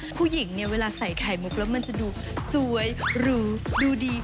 ผู้หญิงเนี่ยเวลาใส่ไข่มุกแล้วมันจะดูสวยหรูดูดี